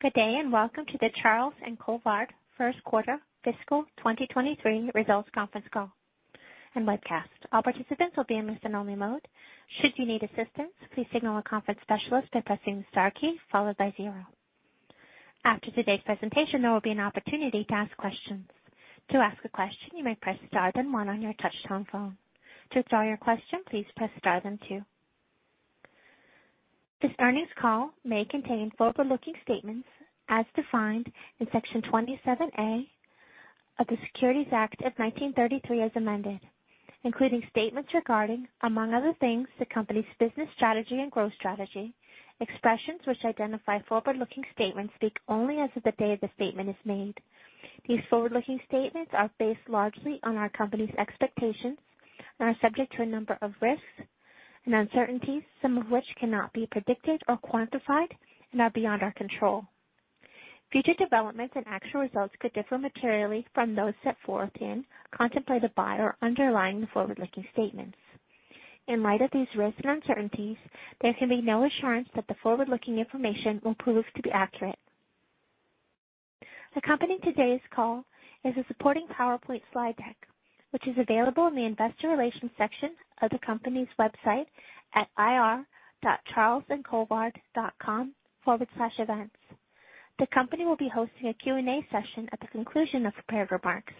Good day, and welcome to the Charles & Colvard first quarter fiscal 2023 results conference call and webcast. All participants will be in listen-only mode. Should you need assistance, please signal a conference specialist by pressing star key followed by zero. After today's presentation, there will be an opportunity to ask questions. To ask a question, you may press Star then one on your touchtone phone. To withdraw your question, please press Star then two. This earnings call may contain forward-looking statements as defined in Section 27A of the Securities Act of 1933, as amended, including statements regarding, among other things, the company's business strategy and growth strategy. Expressions which identify forward-looking statements speak only as of the day the statement is made. These forward-looking statements are based largely on our company's expectations and are subject to a number of risks and uncertainties, some of which cannot be predicted or quantified and are beyond our control. Future developments and actual results could differ materially from those set forth in, contemplated by or underlying the forward-looking statements. In light of these risks and uncertainties, there can be no assurance that the forward-looking information will prove to be accurate. Accompanying today's call is a supporting PowerPoint slide deck, which is available in the Investor Relations section of the company's website at ir.charlesandcolvard.com/events. The company will be hosting a Q&A session at the conclusion of prepared remarks.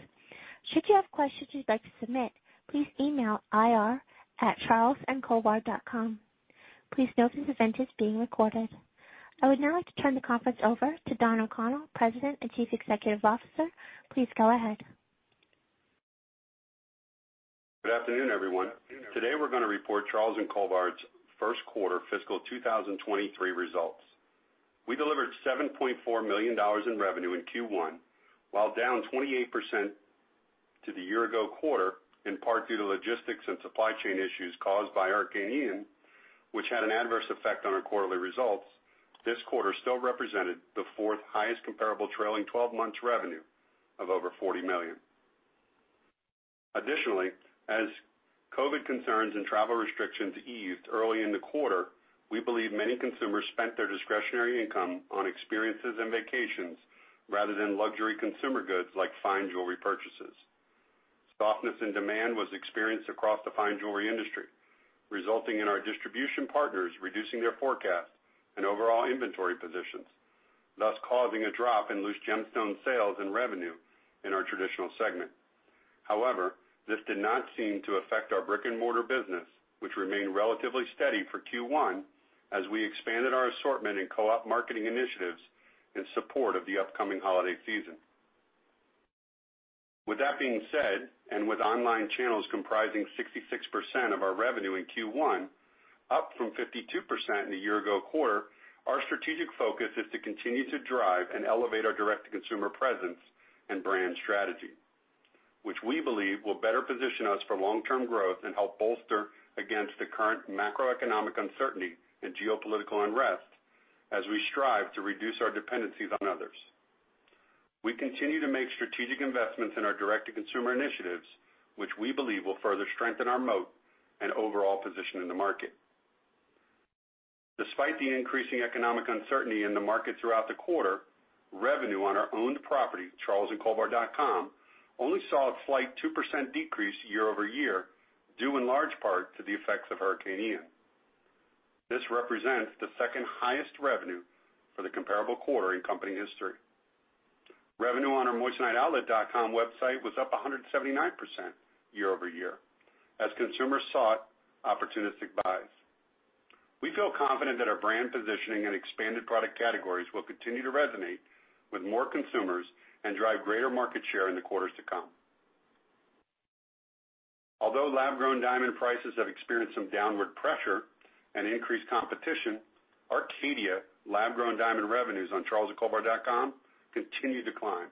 Should you have questions you'd like to submit, please email ir@charlesandcolvard.com. Please note this event is being recorded. I would now like to turn the conference over to Don O'Connell, President and Chief Executive Officer. Please go ahead. Good afternoon, everyone. Today, we're gonna report Charles & Colvard's first quarter fiscal 2023 results. We delivered $7.4 million in revenue in Q1, while down 28% to the year-ago quarter, in part due to logistics and supply chain issues caused by Hurricane Ian, which had an adverse effect on our quarterly results. This quarter still represented the fourth highest comparable trailing twelve-month revenue of over $40 million. Additionally, as COVID concerns and travel restrictions eased early in the quarter, we believe many consumers spent their discretionary income on experiences and vacations rather than luxury consumer goods like fine jewelry purchases. Softness in demand was experienced across the fine jewelry industry, resulting in our distribution partners reducing their forecasts and overall inventory positions, thus causing a drop in loose gemstone sales and revenue in our traditional segment. However, this did not seem to affect our brick-and-mortar business, which remained relatively steady for Q1 as we expanded our assortment in co-op marketing initiatives in support of the upcoming holiday season. With that being said, and with online channels comprising 66% of our revenue in Q1, up from 52% in the year ago quarter, our strategic focus is to continue to drive and elevate our direct-to-consumer presence and brand strategy, which we believe will better position us for long-term growth and help bolster against the current macroeconomic uncertainty and geopolitical unrest as we strive to reduce our dependencies on others. We continue to make strategic investments in our direct-to-consumer initiatives, which we believe will further strengthen our moat and overall position in the market. Despite the increasing economic uncertainty in the market throughout the quarter, revenue on our owned property, charlesandcolvard.com, only saw a slight 2% decrease year-over-year, due in large part to the effects of Hurricane Ian. This represents the second highest revenue for the comparable quarter in company history. Revenue on our moissaniteoutlet.com website was up 179% year-over-year as consumers sought opportunistic buys. We feel confident that our brand positioning and expanded product categories will continue to resonate with more consumers and drive greater market share in the quarters to come. Although lab-grown diamond prices have experienced some downward pressure and increased competition, Caydia lab-grown diamond revenues on charlesandcolvard.com continued to climb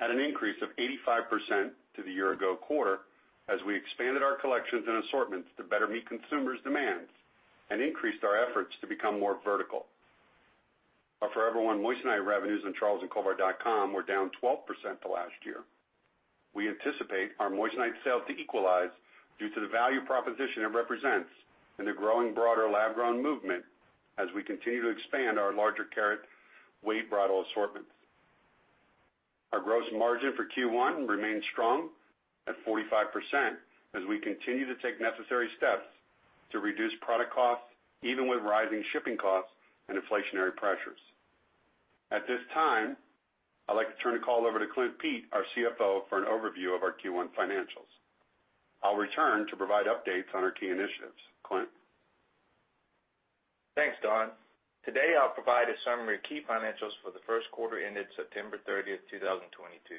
at an increase of 85% to the year-ago quarter as we expanded our collections and assortments to better meet consumers' demands and increased our efforts to become more vertical. Our Forever One moissanite revenues on charlesandcolvard.com were down 12% to last year. We anticipate our moissanite sales to equalize due to the value proposition it represents in the growing broader lab-grown movement as we continue to expand our larger carat weight bridal assortments. Our gross margin for Q1 remained strong at 45% as we continue to take necessary steps to reduce product costs, even with rising shipping costs and inflationary pressures. At this time, I'd like to turn the call over to Clint Pete, our CFO, for an overview of our Q1 financials. I'll return to provide updates on our key initiatives. Clint? Thanks, Don. Today, I'll provide a summary of key financials for the first quarter ended September 30th, 2022.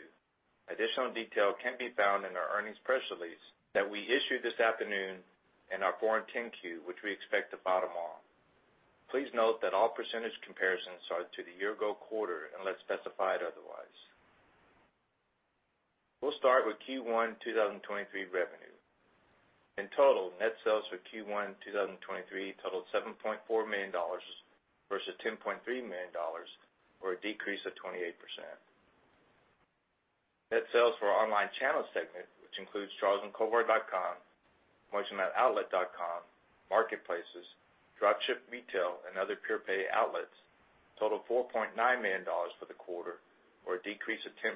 Additional detail can be found in our earnings press release that we issued this afternoon and our Form 10-Q, which we expect to file tomorrow. Please note that all percentage comparisons are to the year ago quarter unless specified otherwise. We'll start with Q1 2023 revenue. In total, net sales for Q1 2023 totaled $7.4 million versus $10.3 million or a decrease of 28%. Net sales for our online channel segment, which includes charlesandcolvard.com, moissaniteoutlet.com, marketplaces, drop-ship retail, and other pure-play outlets totaled $4.9 million for the quarter or a decrease of 10%,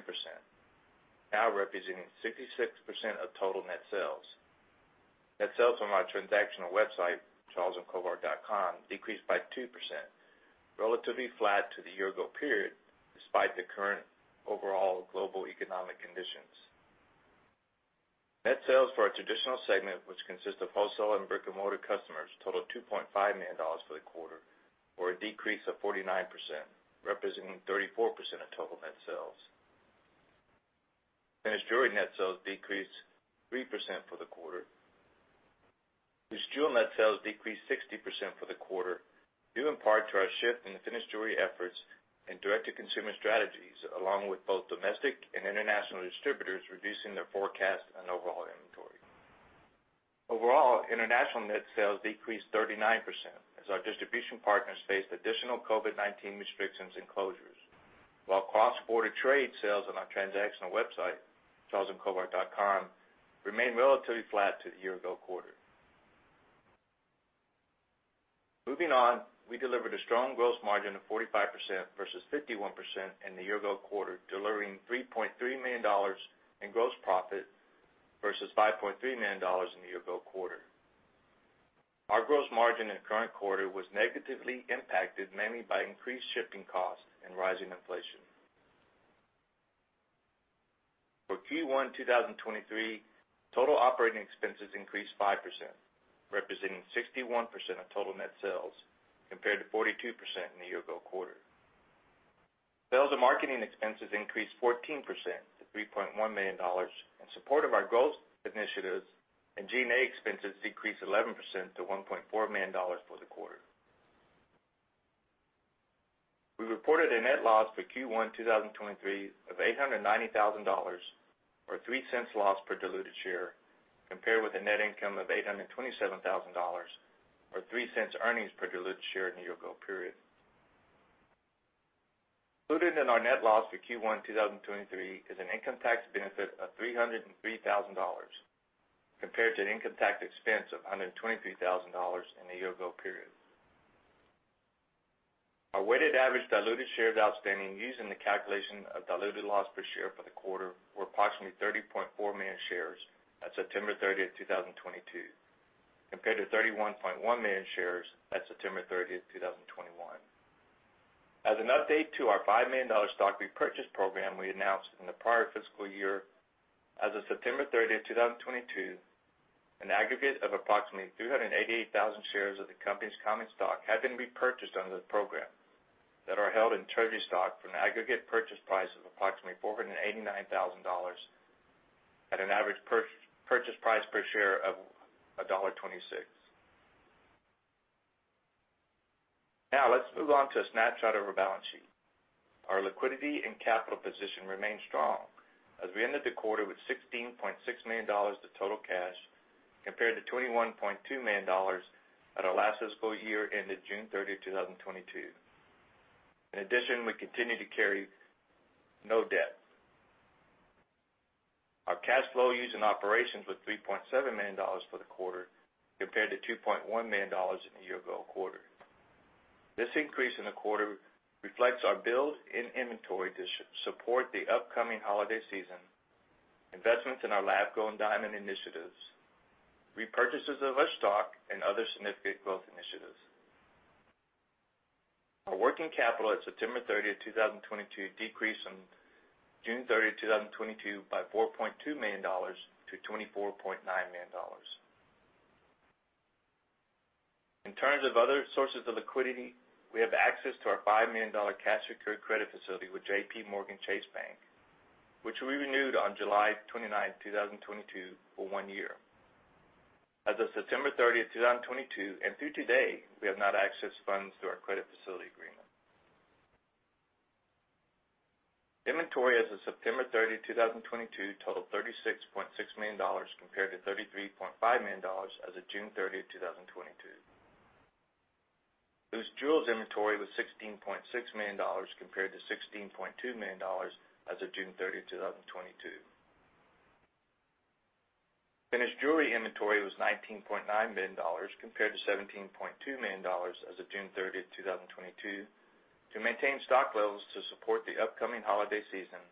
now representing 66% of total net sales. Net sales from our transactional website, charlesandcolvard.com, decreased by 2%, relatively flat to the year ago period despite the current overall global economic conditions. Net sales for our traditional segment, which consists of wholesale and brick-and-mortar customers, totaled $2.5 million for the quarter or a decrease of 49%, representing 34% of total net sales. Finished jewelry net sales decreased 3% for the quarter. Loose jewel net sales decreased 60% for the quarter, due in part to our shift in the finished jewelry efforts and direct-to-consumer strategies, along with both domestic and international distributors reducing their forecast and overall inventory. Overall, international net sales decreased 39% as our distribution partners faced additional COVID-19 restrictions and closures. While cross-border trade sales on our transactional website, charlesandcolvard.com, remained relatively flat to the year ago quarter Moving on, we delivered a strong gross margin of 45% versus 51% in the year ago quarter, delivering $3.3 million in gross profit versus $5.3 million in the year ago quarter. Our gross margin in the current quarter was negatively impacted mainly by increased shipping costs and rising inflation. For Q1 2023, total operating expenses increased 5%, representing 61% of total net sales compared to 42% in the year ago quarter. Sales and marketing expenses increased 14% to $3.1 million in support of our growth initiatives, and G&A expenses decreased 11% to $1.4 million for the quarter. We reported a net loss for Q1 2023 of $890,000 or $0.03 loss per diluted share, compared with a net income of $827,000 or $0.03 earnings per diluted share in the year ago period. Included in our net loss for Q1 2023 is an income tax benefit of $303,000 compared to an income tax expense of $123,000 in the year ago period. Our weighted average diluted shares outstanding used in the calculation of diluted loss per share for the quarter were approximately 30.4 million shares at September 30th, 2022, compared to 31.1 million shares at September 30th, 2021. As an update to our $5 million stock repurchase program we announced in the prior fiscal year, as of September 30th, 2022, an aggregate of approximately 388,000 shares of the company's common stock have been repurchased under the program that are held in treasury stock for an aggregate purchase price of approximately $489,000 at an average purchase price per share of $1.26. Now, let's move on to a snapshot of our balance sheet. Our liquidity and capital position remain strong as we ended the quarter with $16.6 million of total cash compared to $21.2 million at our last fiscal year-ended June 30th, 2022. In addition, we continue to carry no debt. Our cash flow used in operations was $3.7 million for the quarter compared to $2.1 million in the year-ago quarter. This increase in the quarter reflects our build in inventory to support the upcoming holiday season, investments in our lab-grown diamond initiatives, repurchases of our stock and other significant growth initiatives. Our working capital at September 30th, 2022, decreased from June 30th, 2022 by $4.2 million to $24.9 million. In terms of other sources of liquidity, we have access to our $5 million cash secured credit facility with JPMorgan Chase Bank, which we renewed on July 29th, 2022 for one year. As of September 30th, 2022, and through today, we have not accessed funds through our credit facility agreement. Inventory as of September 30th, 2022 totaled $36.6 million compared to $33.5 million as of June 30th, 2022. Loose jewels inventory was $16.6 million compared to $16.2 million as of June 30th, 2022. Finished jewelry inventory was $19.9 million compared to $17.2 million as of June 30th, 2022, to maintain stock levels to support the upcoming holiday season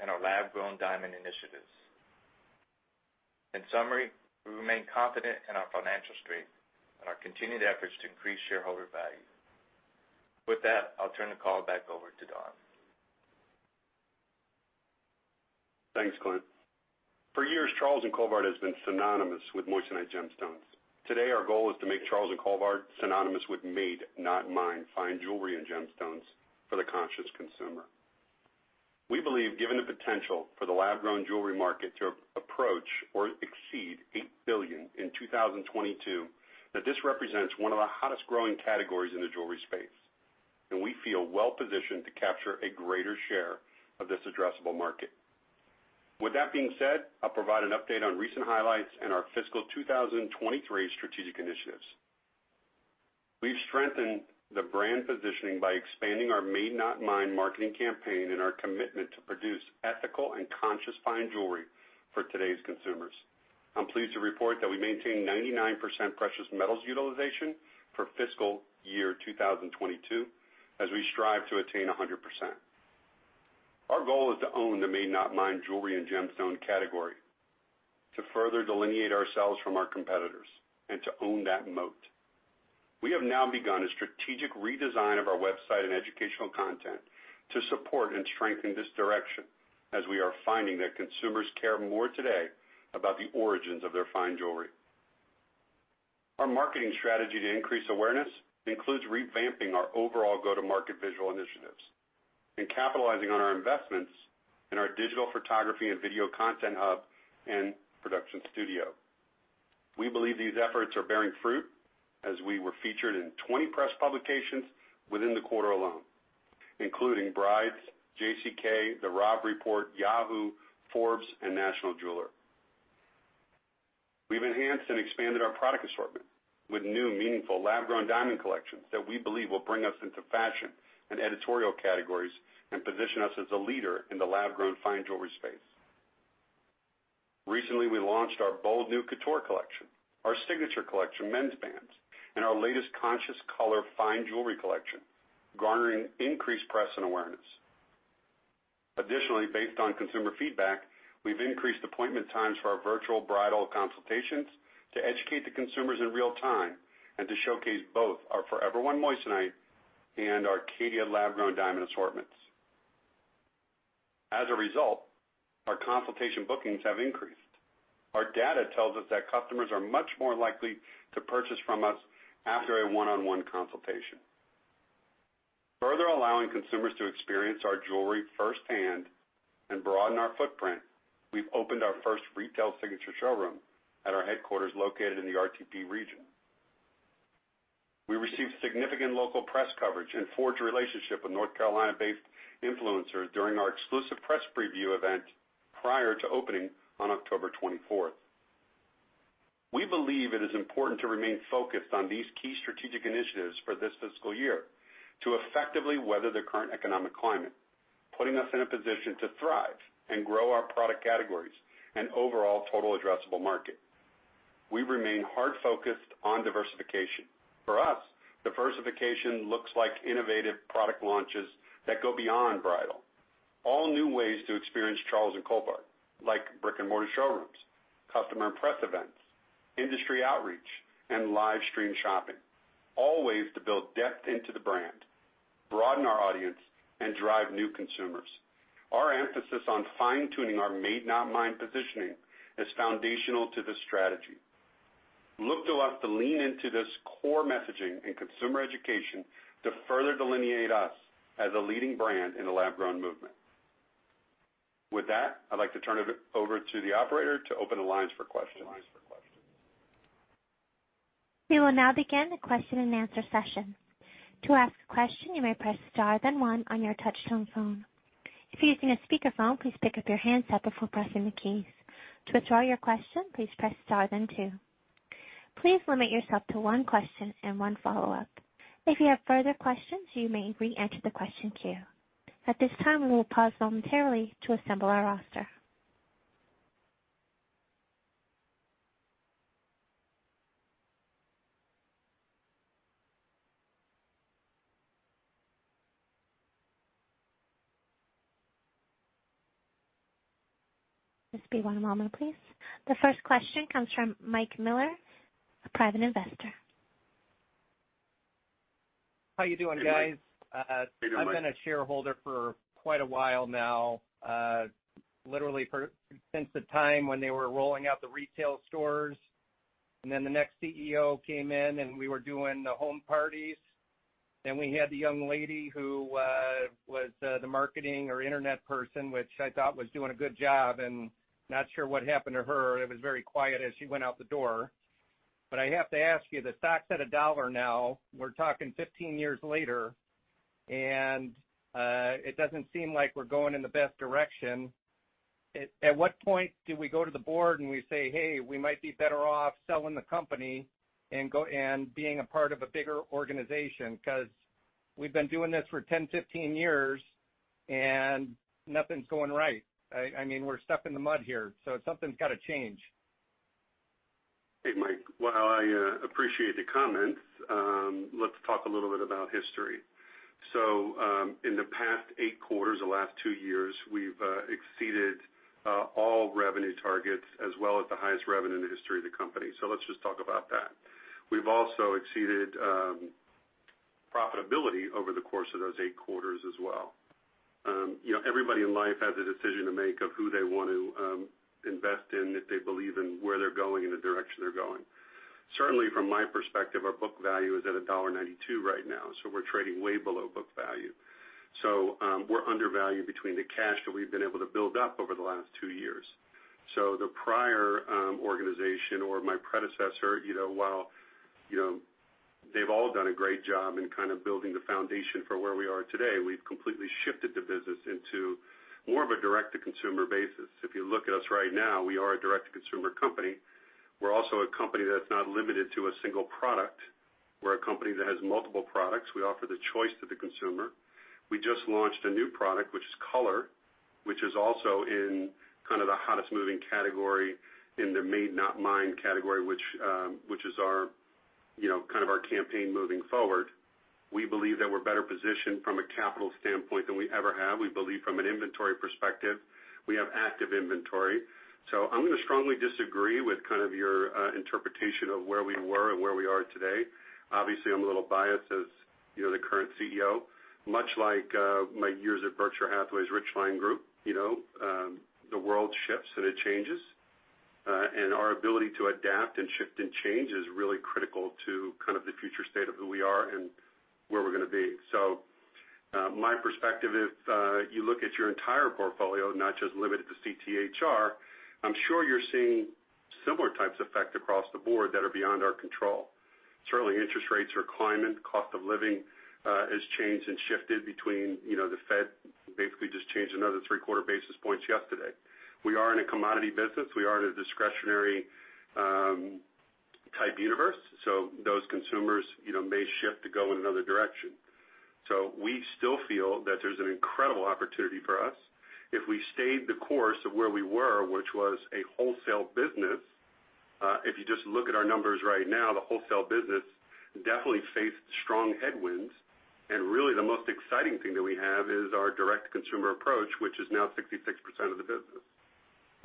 and our lab-grown diamond initiatives. In summary, we remain confident in our financial strength and our continued efforts to increase shareholder value. With that, I'll turn the call back over to Don. Thanks, Clint. For years, Charles & Colvard has been synonymous with moissanite gemstones. Today, our goal is to make Charles & Colvard synonymous with Made, Not Mined, fine jewelry and gemstones for the conscious consumer. We believe, given the potential for the lab-grown jewelry market to approach or exceed $8 billion in 2022, that this represents one of the hottest growing categories in the jewelry space, and we feel well-positioned to capture a greater share of this addressable market. With that being said, I'll provide an update on recent highlights in our fiscal 2023 strategic initiatives. We've strengthened the brand positioning by expanding our Made, Not Mined marketing campaign and our commitment to produce ethical and conscious fine jewelry for today's consumers. I'm pleased to report that we maintain 99% precious metals utilization for fiscal year 2022 as we strive to attain 100%. Our goal is to own the Made, Not Mined jewelry and gemstone category to further delineate ourselves from our competitors and to own that moat. We have now begun a strategic redesign of our website and educational content to support and strengthen this direction, as we are finding that consumers care more today about the origins of their fine jewelry. Our marketing strategy to increase awareness includes revamping our overall go-to-market visual initiatives and capitalizing on our investments in our digital photography and video content hub and production studio. We believe these efforts are bearing fruit as we were featured in 20 press publications within the quarter alone, including Brides, JCK, The Robb Report, Yahoo, Forbes, and National Jeweler. We've enhanced and expanded our product assortment with new meaningful lab-grown diamond collections that we believe will bring us into fashion and editorial categories and position us as a leader in the lab-grown fine jewelry space. Recently, we launched our bold new Couture Collection, our Signature Collection men's bands, and our latest conscious color fine jewelry collection, garnering increased press and awareness. Additionally, based on consumer feedback, we've increased appointment times for our virtual bridal consultations to educate the consumers in real time and to showcase both our Forever One moissanite and our Caydia lab-grown diamond assortments. As a result, our consultation bookings have increased. Our data tells us that customers are much more likely to purchase from us after a one-on-one consultation. Further allowing consumers to experience our jewelry firsthand and broaden our footprint, we've opened our first retail signature showroom at our headquarters, located in the RTP region. We received significant local press coverage and forged a relationship with North Carolina-based influencers during our exclusive press preview event prior to opening on October 24th. We believe it is important to remain focused on these key strategic initiatives for this fiscal year to effectively weather the current economic climate, putting us in a position to thrive and grow our product categories and overall total addressable market. We remain hard focused on diversification. For us, diversification looks like innovative product launches that go beyond bridal. All new ways to experience Charles & Colvard, like brick-and-mortar showrooms, customer and press events, industry outreach, and live stream shopping, all ways to build depth into the brand, broaden our audience, and drive new consumers. Our emphasis on fine-tuning our Made, Not Mined positioning is foundational to this strategy. Look to us to lean into this core messaging and consumer education to further delineate us as a leading brand in the lab-grown movement. With that, I'd like to turn it over to the operator to open the lines for questions. We will now begin the question-and-answer session. To ask a question, you may press star then one on your touch-tone phone. If you're using a speakerphone, please pick up your handset before pressing the keys. To withdraw your question, please press star then two. Please limit yourself to one question and one follow-up. If you have further questions, you may re-enter the question queue. At this time, we will pause momentarily to assemble our roster. Just one moment, please. The first question comes from Mike Miller, a private investor. How you doing, guys? Hey, Mike. I've been a shareholder for quite a while now, since the time when they were rolling out the retail stores, and then the next CEO came in, and we were doing the home parties. We had the young lady who was the marketing or internet person, which I thought was doing a good job, and not sure what happened to her. It was very quiet as she went out the door. I have to ask you, the stock's at $1 now. We're talking 15 years later and it doesn't seem like we're going in the best direction. At what point do we go to the board and we say, "Hey, we might be better off selling the company and being a part of a bigger organization," 'cause we've been doing this for 10, 15 years and nothing's going right. I mean, we're stuck in the mud here, so something's gotta change. Hey, Mike. While I appreciate the comments, let's talk a little bit about history. In the past eight quarters, the last two years, we've exceeded all revenue targets as well as the highest revenue in the history of the company. Let's just talk about that. We've also exceeded profitability over the course of those eight quarters as well. You know, everybody in life has a decision to make of who they want to invest in, if they believe in where they're going and the direction they're going. Certainly, from my perspective, our book value is at $1.92 right now, so we're trading way below book value. We're undervalued between the cash that we've been able to build up over the last two years. The prior organization or my predecessor, you know, while, you know, they've all done a great job in kind of building the foundation for where we are today, we've completely shifted the business into more of a direct-to-consumer basis. If you look at us right now, we are a direct-to-consumer company. We're also a company that's not limited to a single product. We're a company that has multiple products. We offer the choice to the consumer. We just launched a new product, which is color, which is also in kind of the hottest moving category Made, Not Mined category, which is our, you know, kind of our campaign moving forward. We believe that we're better positioned from a capital standpoint than we ever have. We believe from an inventory perspective, we have active inventory. I'm gonna strongly disagree with kind of your interpretation of where we were and where we are today. Obviously, I'm a little biased as, you know, the current CEO, much like my years at Berkshire Hathaway's Richline Group, you know, the world shifts, and it changes. And our ability to adapt and shift and change is really critical to kind of the future state of who we are and where we're gonna be. My perspective, if you look at your entire portfolio, not just limited to CTHR, I'm sure you're seeing similar types of effect across the board that are beyond our control. Certainly, interest rates are climbing, cost of living has changed and shifted between, you know, the Fed basically just changed another three-quarter basis points yesterday. We are in a commodity business. We are in a discretionary type universe, so those consumers, you know, may shift to go in another direction. We still feel that there's an incredible opportunity for us. If we stayed the course of where we were, which was a wholesale business, if you just look at our numbers right now, the wholesale business definitely faced strong headwinds. Really, the most exciting thing that we have is our direct-to-consumer approach, which is now 66% of the business.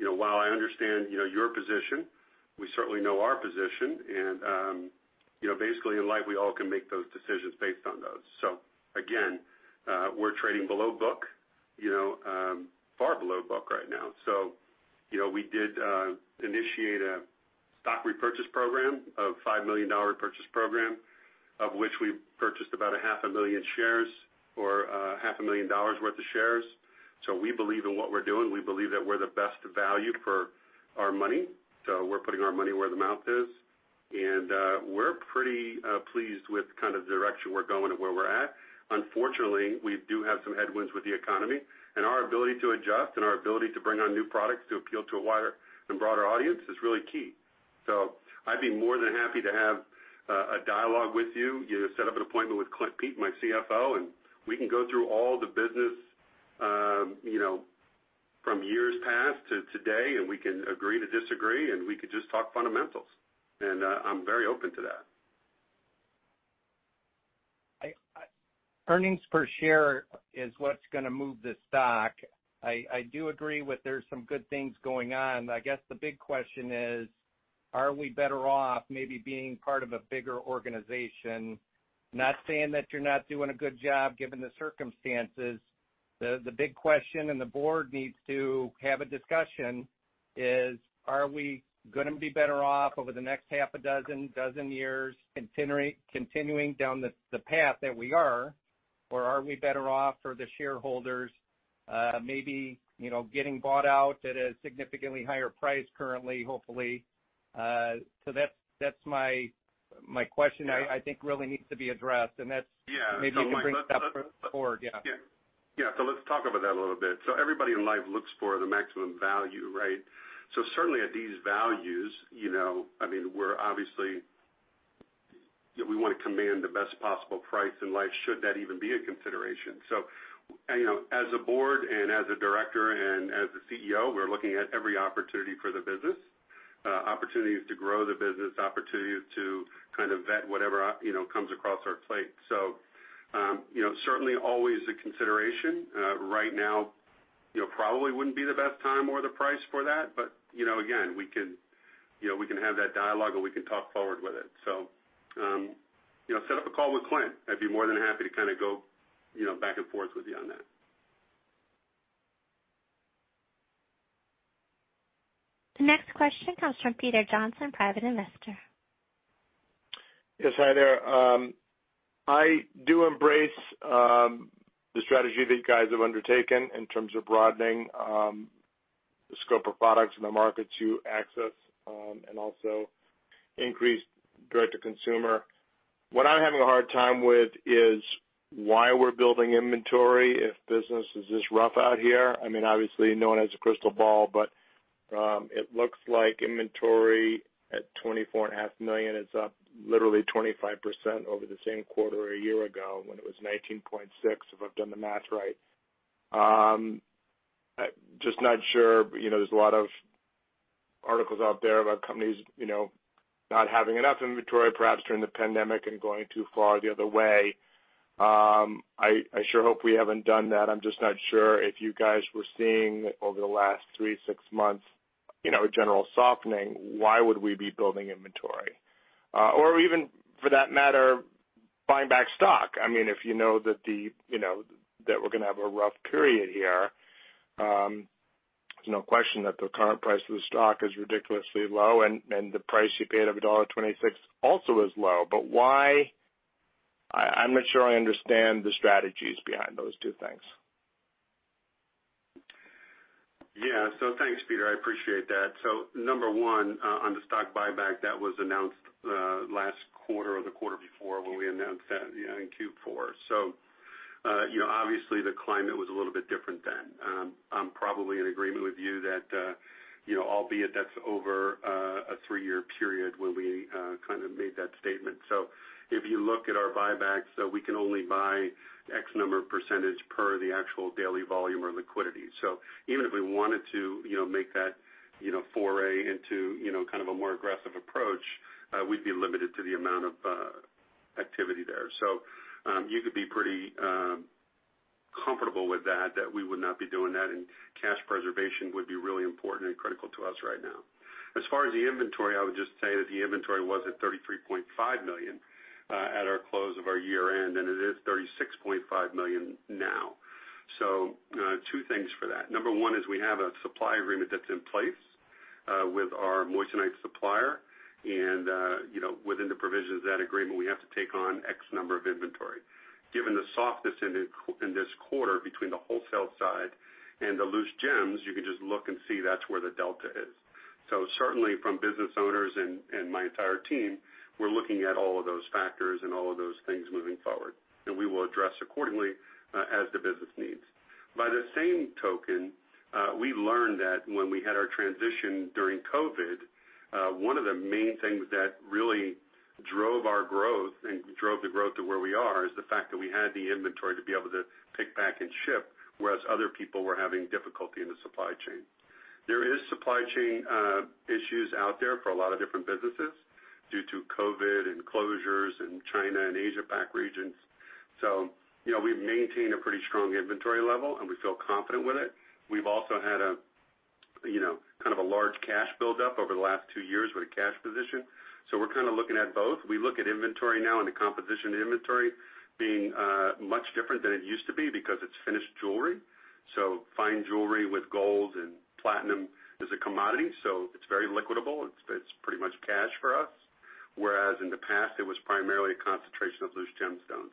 You know, while I understand, you know, your position, we certainly know our position and, you know, basically, in life, we all can make those decisions based on those. Again, we're trading below book, you know, far below book right now. You know, we did initiate a stock repurchase program of $5 million purchase program, of which we purchased about half a million shares or half a million dollars worth of shares. We believe in what we're doing. We believe that we're the best value for our money, so we're putting our money where the mouth is. We're pretty pleased with kind of the direction we're going and where we're at. Unfortunately, we do have some headwinds with the economy, and our ability to adjust and our ability to bring on new products to appeal to a wider and broader audience is really key. I'd be more than happy to have a dialogue with you. You set up an appointment with Clint Pete, my CFO, and we can go through all the business, you know, from years past to today, and we can agree to disagree, and we could just talk fundamentals. I'm very open to that. Earnings per share is what's gonna move the stock. I do agree with there's some good things going on. I guess the big question is, are we better off maybe being part of a bigger organization? Not saying that you're not doing a good job, given the circumstances. The big question and the board needs to have a discussion is, are we gonna be better off over the next half a dozen dozen years continuing down the path that we are? Or are we better off for the shareholders, maybe, you know, getting bought out at a significantly higher price currently, hopefully. That's my question. Yeah. I think really needs to be addressed. That's Yeah, no, Mike. Maybe you can bring that forward. Yeah. Yeah. Yeah. Let's talk about that a little bit. Everybody in life looks for the maximum value, right? Certainly at these values, you know, I mean, we wanna command the best possible price in life, should that even be a consideration. You know, as a board and as a director and as the CEO, we're looking at every opportunity for the business, opportunities to grow the business, opportunities to kind of vet whatever, you know, comes across our plate. You know, certainly always a consideration. Right now, you know, probably wouldn't be the best time or the price for that. You know, again, we can have that dialogue or we can talk forward with it. You know, set up a call with Clint. I'd be more than happy to kinda go, you know, back and forth with you on that. The next question comes from Peter Johnson, Private Investor. Yes. Hi there. I do embrace the strategy that you guys have undertaken in terms of broadening the scope of products in the market you access and also increase direct to consumer. What I'm having a hard time with is why we're building inventory if business is this rough out here. I mean, obviously, no one has a crystal ball, but it looks like inventory at $24.5 million is up literally 25% over the same quarter a year ago when it was $19.6 million, if I've done the math right. Just not sure. You know, there's a lot of articles out there about companies, you know, not having enough inventory, perhaps during the pandemic and going too far the other way. I sure hope we haven't done that. I'm just not sure if you guys were seeing over the last three, six months, you know, a general softening. Why would we be building inventory? Or even for that matter, buying back stock. I mean, if you know that the, you know, that we're gonna have a rough period here, there's no question that the current price of the stock is ridiculously low and the price you paid of $1.26 also is low. But why? I'm not sure I understand the strategies behind those two things. Yeah. Thanks, Peter. I appreciate that. Number one, on the stock buyback, that was announced last quarter or the quarter before when we announced that in Q4. You know, obviously, the climate was a little bit different then. I'm probably in agreement with you that, you know, albeit that's over a three-year period when we kind of made that statement. If you look at our buybacks, we can only buy X number of percentage per the actual daily volume or liquidity. Even if we wanted to, you know, make that, you know, foray into, you know, kind of a more aggressive approach, we'd be limited to the amount of activity there. You could be pretty comfortable with that we would not be doing that, and cash preservation would be really important and critical to us right now. As far as the inventory, I would just say that the inventory was at $33.5 million at our close of our year-end, and it is $36.5 million now. Two things for that. Number one is we have a supply agreement that's in place with our moissanite supplier, and you know, within the provisions of that agreement, we have to take on X number of inventory. Given the softness in this quarter between the wholesale side and the loose gems, you can just look and see that's where the delta is. Certainly from business owners and my entire team, we're looking at all of those factors and all of those things moving forward, and we will address accordingly, as the business needs. By the same token, we learned that when we had our transition during COVID, one of the main things that really drove our growth and drove the growth to where we are, is the fact that we had the inventory to be able to pick, pack, and ship, whereas other people were having difficulty in the supply chain. There is supply chain issues out there for a lot of different businesses due to COVID and closures in China and Asia Pac regions. You know, we've maintained a pretty strong inventory level, and we feel confident with it. We've also had a you know kind of a large cash buildup over the last two years with a cash position. We're kinda looking at both. We look at inventory now and the composition of the inventory being much different than it used to be because it's finished jewelry. Fine jewelry with gold and platinum is a commodity, so it's very liquidable. It's pretty much cash for us, whereas in the past, it was primarily a concentration of loose gemstones.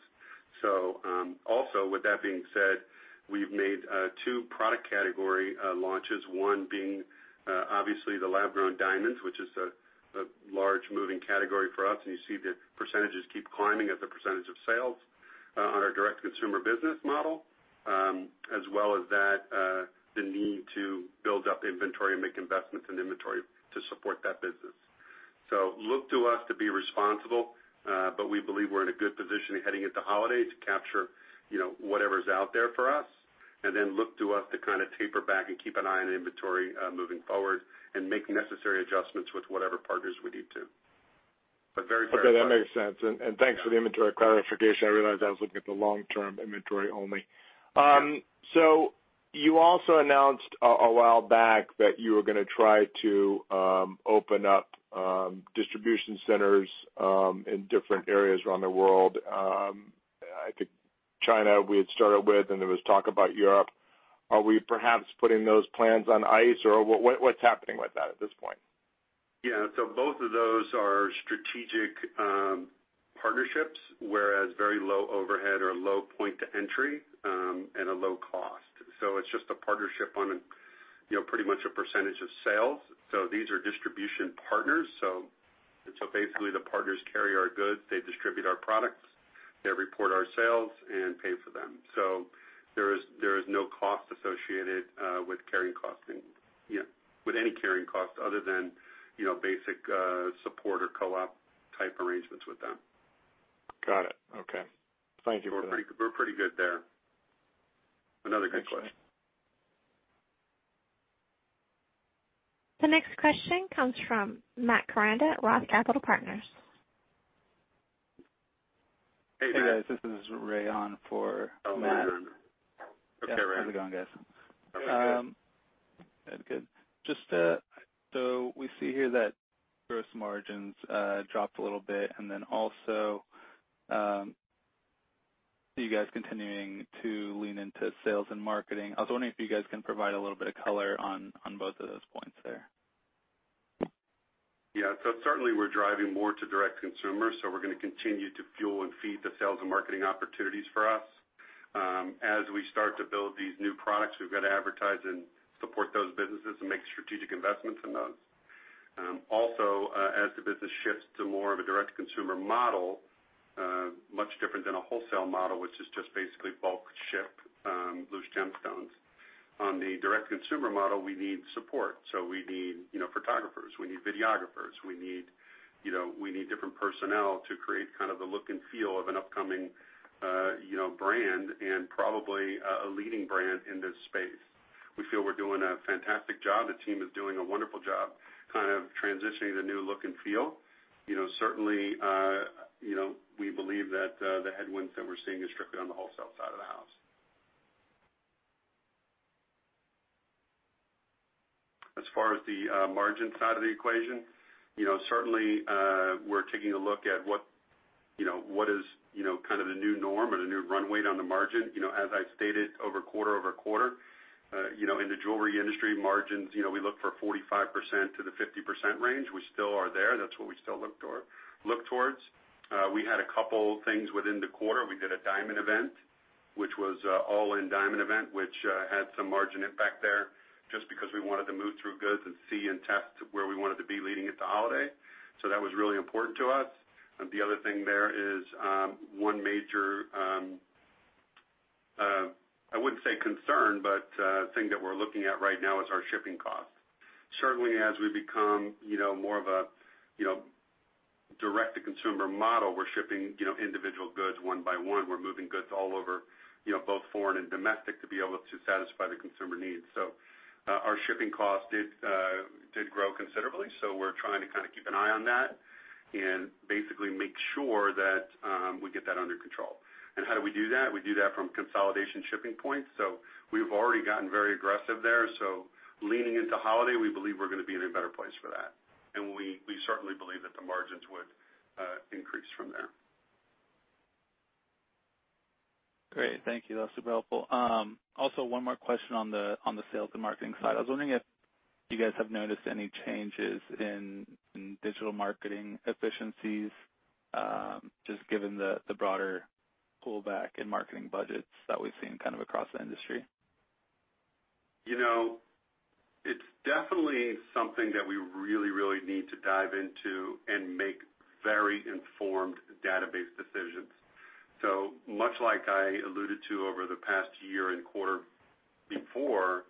Also, with that being said, we've made two product category launches, one being obviously the lab-grown diamonds, which is a large moving category for us, and you see the percentages keep climbing as a percentage of sales on our direct-to-consumer business model, as well as that the need to build up inventory and make investments in inventory to support that business. Look to us to be responsible, but we believe we're in a good position heading into holiday to capture, you know, whatever's out there for us, and then look to us to kinda taper back and keep an eye on inventory moving forward and make necessary adjustments with whatever partners we need to. Very, very excited. Okay, that makes sense. Thanks for the inventory clarification. I realized I was looking at the long-term inventory only. You also announced a while back that you were gonna try to open up distribution centers in different areas around the world. I think China we had started with, and there was talk about Europe. Are we perhaps putting those plans on ice, or what's happening with that at this point? Yeah. Both of those are strategic partnerships, whereas very low overhead or low point to entry, and a low cost. It's just a partnership on a, you know, pretty much a percentage of sales. These are distribution partners. Basically the partners carry our goods, they distribute our products, they report our sales, and pay for them. There is no cost associated with carrying costs and, you know, with any carrying cost other than, you know, basic support or co-op type arrangements with them. Got it. Okay. Thank you for the. We're pretty good there. Another great question. Thanks. The next question comes from Matt Koranda at Roth Capital Partners. Hey, Matt. Hey, guys. This is Ray on for Matthew Koranda. Oh. Hey, Ray. Yeah. How's it going, guys? Good. Good. Good. Just, so we see here that gross margins dropped a little bit, and then also, you guys continuing to lean into sales and marketing. I was wondering if you guys can provide a little bit of color on both of those points there. Yeah. Certainly we're driving more to direct-to-consumer, so we're gonna continue to fuel and feed the sales and marketing opportunities for us. As we start to build these new products, we've got to advertise and support those businesses and make strategic investments in those. Also, as the business shifts to more of a direct-to-consumer model, much different than a wholesale model, which is just basically bulk ship, loose gemstones. On the direct-to-consumer model, we need support. We need, you know, photographers, we need videographers. We need, you know, different personnel to create kind of the look and feel of an upcoming, you know, brand and probably a leading brand in this space. We feel we're doing a fantastic job. The team is doing a wonderful job kind of transitioning the new look and feel. You know, certainly, you know, we believe that the headwinds that we're seeing is strictly on the wholesale side of the house. As far as the margin side of the equation, you know, certainly, we're taking a look at what, you know, what is, you know, kind of the new norm or the new runway down the margin. You know, as I've stated quarter-over-quarter, you know, in the jewelry industry, margins, you know, we look for 45%-50% range. We still are there. That's what we still look towards. We had a couple things within the quarter. We did a diamond event, which was all-in diamond event, which had some margin impact there just because we wanted to move through goods and see and test where we wanted to be leading into holiday. That was really important to us. The other thing there is one major. I wouldn't say concern, but a thing that we're looking at right now is our shipping costs. Certainly, as we become, you know, more of a, you know, direct-to-consumer model, we're shipping, you know, individual goods one by one. We're moving goods all over, you know, both foreign and domestic to be able to satisfy the consumer needs. Our shipping costs did grow considerably, so we're trying to kinda keep an eye on that and basically make sure that we get that under control. How do we do that? We do that from consolidation shipping points. We've already gotten very aggressive there. Leaning into holiday, we believe we're gonna be in a better place for that. We certainly believe that the margins would increase from there. Great. Thank you. That's super helpful. Also one more question on the sales and marketing side. I was wondering if you guys have noticed any changes in digital marketing efficiencies, just given the broader pullback in marketing budgets that we've seen kind of across the industry. You know, it's definitely something that we really need to dive into and make very informed data-based decisions. Much like I alluded to over the past year and quarter before,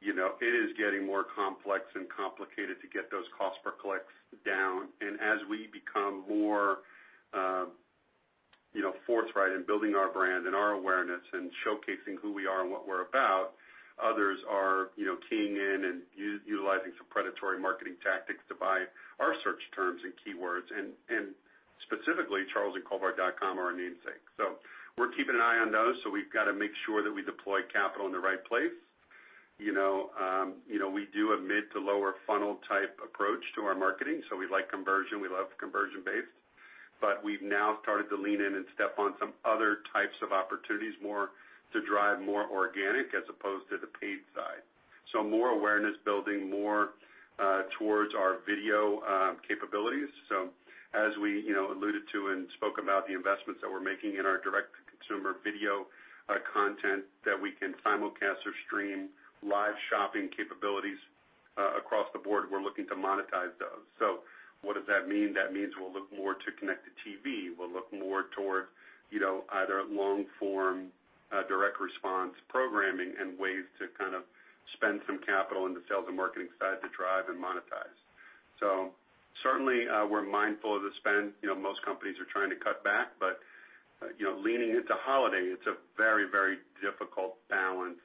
you know, it is getting more complex and complicated to get those cost per clicks down. As we become more, you know, forthright in building our brand and our awareness and showcasing who we are and what we're about, others are, you know, keying in and utilizing some predatory marketing tactics to buy our search terms and keywords, and specifically charlesandcolvard.com, our namesake. We're keeping an eye on those, so we've gotta make sure that we deploy capital in the right place. You know, you know, we do a mid to lower funnel type approach to our marketing, so we like conversion. We love conversion-based. We've now started to lean in and step on some other types of opportunities more to drive more organic as opposed to the paid side. More awareness building, more towards our video capabilities. As we, you know, alluded to and spoke about the investments that we're making in our direct-to-consumer video content that we can simulcast or stream live shopping capabilities across the board, we're looking to monetize those. What does that mean? That means we'll look more to connected TV. We'll look more toward, you know, either long-form direct response programming and ways to kind of spend some capital in the sales and marketing side to drive and monetize. Certainly, we're mindful of the spend. You know, most companies are trying to cut back, but, you know, leaning into holiday, it's a very, very difficult balance,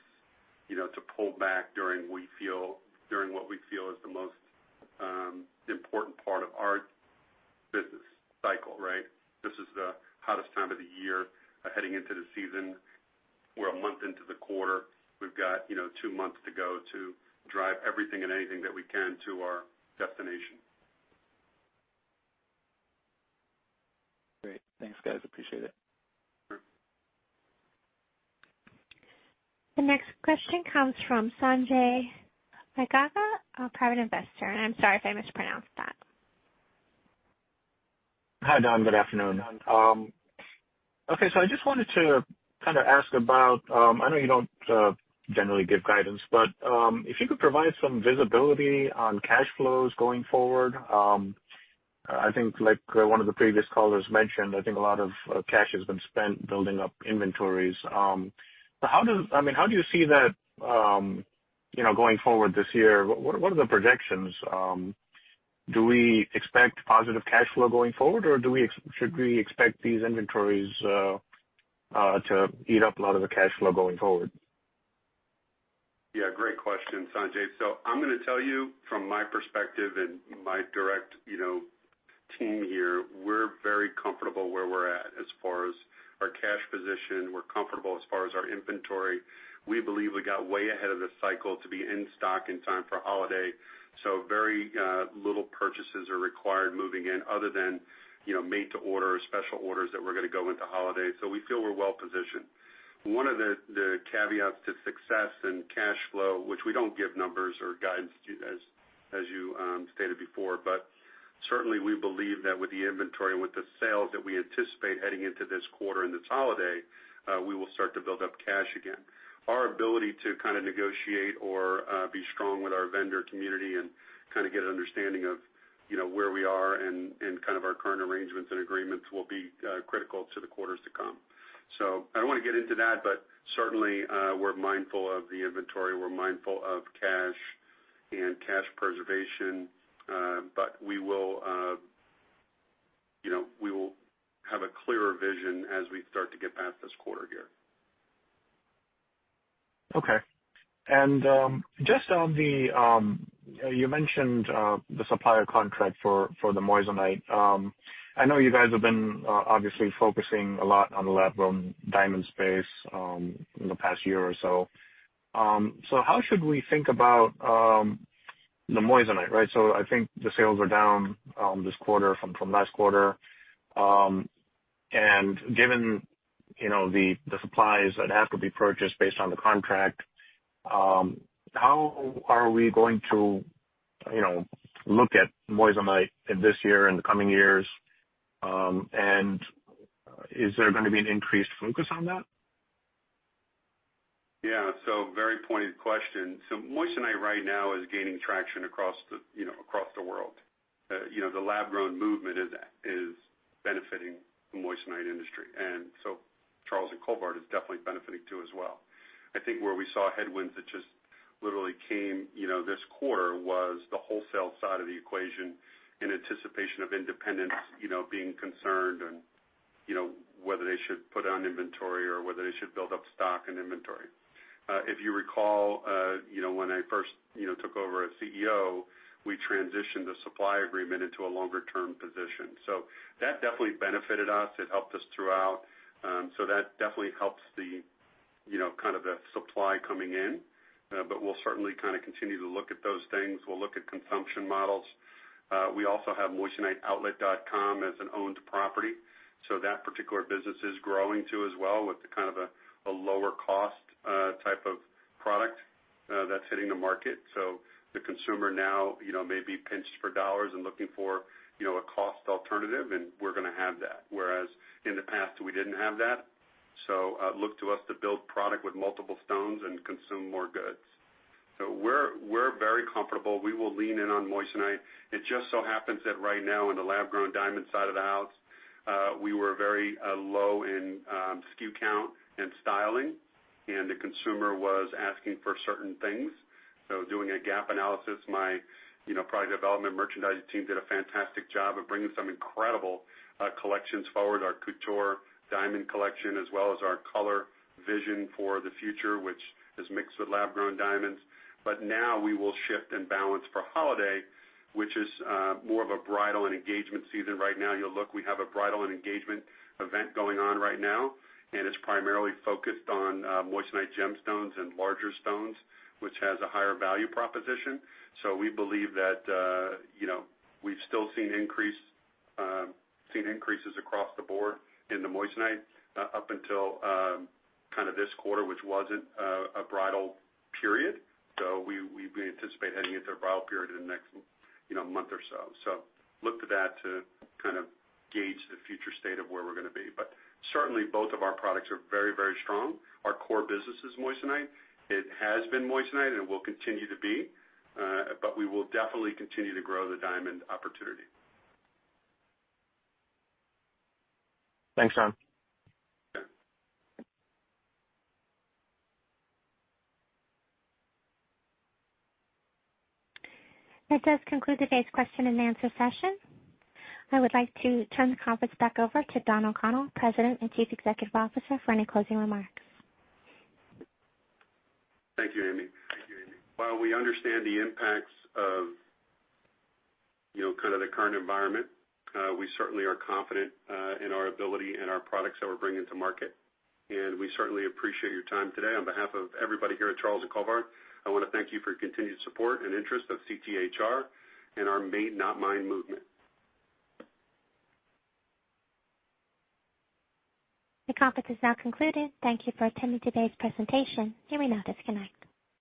you know, to pull back during what we feel is the most important part of our business cycle, right? This is the hottest time of the year heading into the season. We're a month into the quarter. We've got, you know, 2 months to go to drive everything and anything that we can to our destination. Great. Thanks, guys. Appreciate it. Sure. The next question comes from Sanjay Aggarwal, a private investor. I'm sorry if I mispronounced that. Hi, Don. Good afternoon. Okay, so I just wanted to kinda ask about, I know you don't generally give guidance, but if you could provide some visibility on cash flows going forward. I think like one of the previous callers mentioned, I think a lot of cash has been spent building up inventories. But I mean, how do you see that, you know, going forward this year? What are the projections? Do we expect positive cash flow going forward, or should we expect these inventories to eat up a lot of the cash flow going forward? Yeah, great question, Sanjay. I'm gonna tell you from my perspective and my direct, you know, team here, we're very comfortable where we're at as far as our cash position. We're comfortable as far as our inventory. We believe we got way ahead of the cycle to be in stock in time for holiday. Very little purchases are required moving in other than, you know, made to order or special orders that we're gonna go into holiday. We feel we're well positioned. One of the caveats to success and cash flow, which we don't give numbers or guidance as you stated before, but certainly we believe that with the inventory and with the sales that we anticipate heading into this quarter and this holiday, we will start to build up cash again. Our ability to kinda negotiate or be strong with our vendor community and kinda get an understanding of, you know, where we are and kind of our current arrangements and agreements will be critical to the quarters to come. I don't wanna get into that, but certainly we're mindful of the inventory. We're mindful of cash and cash preservation. We will, you know, have a clearer vision as we start to get past this quarter here. Okay. Just on the, you mentioned the supplier contract for the moissanite. I know you guys have been obviously focusing a lot on the lab-grown diamond space in the past year or so. How should we think about the moissanite, right? I think the sales are down this quarter from last quarter. Given you know the supplies that have to be purchased based on the contract, how are we going to you know look at moissanite this year and the coming years? Is there gonna be an increased focus on that? Yeah. Very pointed question. Moissanite right now is gaining traction across the, you know, across the world. You know, the lab-grown movement is benefiting the moissanite industry. Charles & Colvard is definitely benefiting too as well. I think where we saw headwinds that just literally came, you know, this quarter was the wholesale side of the equation in anticipation of independents, you know, being concerned and, you know, whether they should put on inventory or whether they should build up stock and inventory. If you recall, you know, when I first, you know, took over as CEO, we transitioned the supply agreement into a longer-term position. That definitely benefited us. It helped us throughout. That definitely helps the, you know, kind of the supply coming in. We'll certainly kinda continue to look at those things. We'll look at consumption models. We also have moissaniteoutlet.com as an owned property, so that particular business is growing, too, as well, with kind of a lower cost type of product that's hitting the market. The consumer now, you know, may be pinched for dollars and looking for, you know, a cost alternative, and we're gonna have that, whereas in the past, we didn't have that. Look to us to build product with multiple stones and consume more goods. We're very comfortable. We will lean in on moissanite. It just so happens that right now in the lab-grown diamond side of the house, we were very low in SKU count and styling, and the consumer was asking for certain things. Doing a gap analysis, my, you know, product development merchandising team did a fantastic job of bringing some incredible collections forward, our Couture diamond collection as well as our color vision for the future, which is mixed with lab-grown diamonds. Now we will shift and balance for holiday, which is more of a bridal and engagement season. Right now, you'll see, we have a bridal and engagement event going on right now, and it's primarily focused on moissanite gemstones and larger stones, which has a higher value proposition. We believe that, you know, we've still seen increases across the board in the moissanite up until kind of this quarter, which wasn't a bridal period. We anticipate heading into a bridal period in the next, you know, month or so. Look to that to kind of gauge the future state of where we're gonna be. Certainly, both of our products are very, very strong. Our core business is moissanite. It has been moissanite, and it will continue to be, but we will definitely continue to grow the diamond opportunity. Thanks, Don. That does conclude today's question-and-answer session. I would like to turn the conference back over to Don O'Connell, President and Chief Executive Officer, for any closing remarks. Thank you, Amy. While we understand the impacts of, you know, kind of the current environment, we certainly are confident in our ability and our products that we're bringing to market, and we certainly appreciate your time today. On behalf of everybody here at Charles & Colvard, I wanna thank you for your continued support and interest of CTHR and our Made, Not Mined movement. The conference is now concluded. Thank you for attending today's presentation. You may now disconnect.